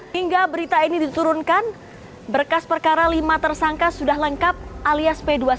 hingga berita ini diturunkan berkas perkara lima tersangka sudah lengkap alias p dua puluh satu